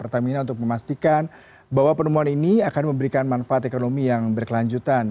pertamina untuk memastikan bahwa penemuan ini akan memberikan manfaat ekonomi yang berkelanjutan